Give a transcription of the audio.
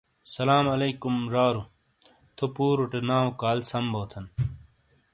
سلام علیکم زارو! تھو پوروٹے ناٶ کال سَم بوتھن!